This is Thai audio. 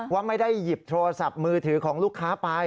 ว่าไม่ได้หยิบโทรศัพท์มือถือของลูกค้าไป